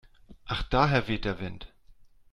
Ach daher weht der Wind.